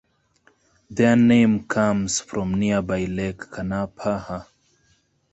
Their name comes from nearby Lake Kanapaha.